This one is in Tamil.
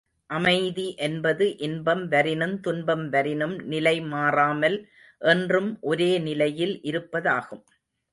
அமைதி என்பது, இன்பம் வரினும் துன்பம் வரினும், நிலை மாறாமல் என்றும் ஒரே நிலையில் இருப்பதாகும்.